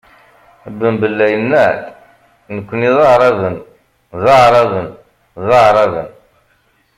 Ben Bella yenna-d: "Nekni d aɛraben, d aɛraben, d aɛraben".